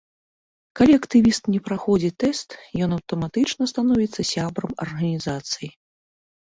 Калі актывіст не праходзіць тэст, ён аўтаматычна становіцца сябрам арганізацыі.